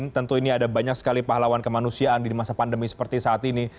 tentu ini ada banyak sekali pahlawan kemanusiaan di masa pandemi seperti saat ini